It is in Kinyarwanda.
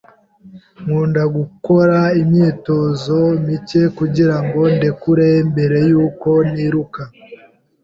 Nkunda gukora imyitozo mike kugirango ndekure mbere yuko niruka.